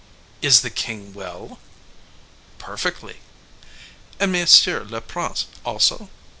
"Is the king well?" "Perfectly." "And monsieur le prince also?"